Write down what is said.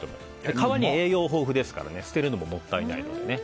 皮は栄養豊富ですから捨てるのも、もったいないので。